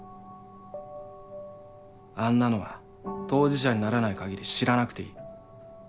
あんなのは当事者にならない限り知らなくていい。